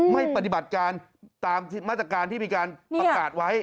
ไม่ปฏิบัติการตามมาตรการที่มีการประกาศไว้